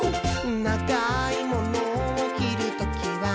「ながいモノをきるときは、」